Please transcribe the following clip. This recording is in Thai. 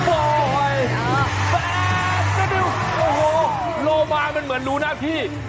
โอ้โหโลมายังเหมือนรูหน้าพี่